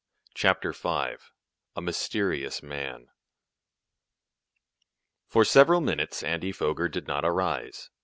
CHAPTER V A MYSTERIOUS MAN For several minutes Andy Foger did not arise.